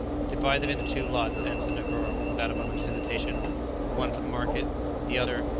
"Divide them into two lots," answered Negoro, without a moment's hesitation, "one for the market, the other...."